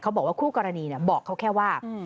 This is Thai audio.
บอกว่าคู่กรณีบอกเขาแค่ว่า